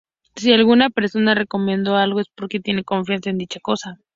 Si alguna persona recomiendo algo, es porque tiene confianza en dicha cosa.